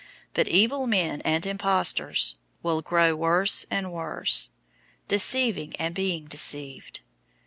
003:013 But evil men and impostors will grow worse and worse, deceiving and being deceived.